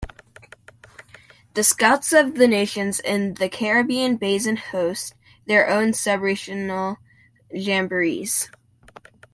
The Scouts of the nations in the Caribbean basin host their own subregional jamborees.